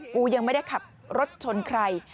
กูยังไม่ได้ขับรถชนใคร